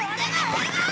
お願い！